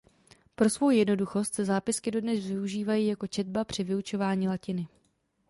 Pro svou jednoduchost se zápisky dodnes využívají jako četba při vyučování latiny.